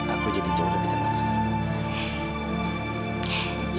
aku jadi jauh lebih tenang sekarang